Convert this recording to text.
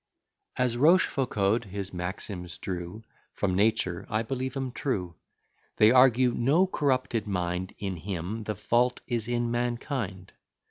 _ AS Rochefoucauld his maxims drew From nature, I believe 'em true: They argue no corrupted mind In him; the fault is in mankind.